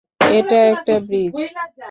এটা একটা ব্রিজ।